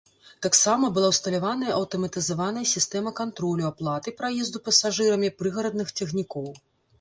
Таксама была ўсталяваная аўтаматызаваная сістэма кантролю аплаты праезду пасажырамі прыгарадных цягнікоў.